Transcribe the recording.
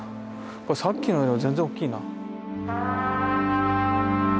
これさっきのより全然大きいな。